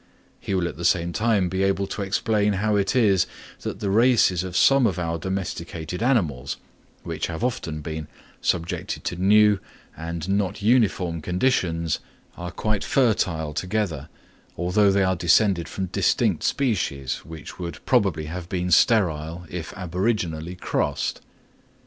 He will at the same time be able to explain how it is that the races of some of our domesticated animals, which have often been subjected to new and not uniform conditions, are quite fertile together, although they are descended from distinct species, which would probably have been sterile if aboriginally crossed.